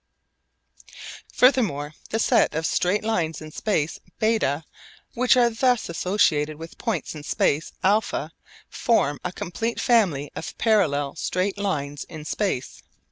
Furthermore the set of straight lines in space β which are thus associated with points in space α form a complete family of parallel straight lines in space β.